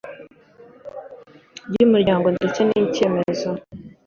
by umuryango ndetse n icyemezo